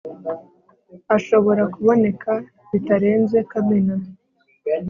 ashobora kuboneka bitarenze Kamena.